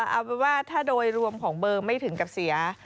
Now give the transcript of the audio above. เอาเป็นว่าถ้าโดยรวมของเบอร์ไม่ถึงกับเสีย